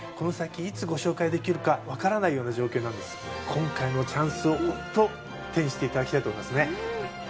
今回のチャンスをホント手にして頂きたいと思いますね。